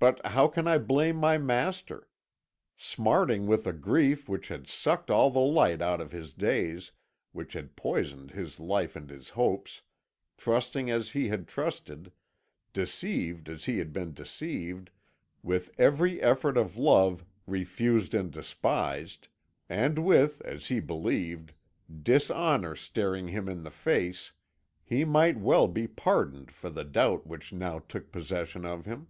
"But how can I blame my master? Smarting with a grief which had sucked all the light out of his days, which had poisoned his life and his hopes, trusting as he had trusted, deceived as he had been deceived, with every offer of love refused and despised, and with, as he believed, dishonour staring him in the face he might well be pardoned for the doubt which now took possession of him.